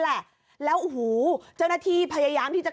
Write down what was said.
แหละแล้วโอ้โหเจ้าหน้าที่พยายามที่จะ